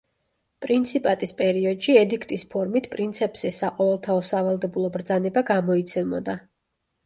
პრინციპატის პერიოდში ედიქტის ფორმით პრინცეფსის საყოველთაო სავალდებულო ბრძანება გამოიცემოდა.